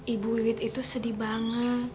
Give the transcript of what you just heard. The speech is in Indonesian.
ibu wiwit itu sedih banget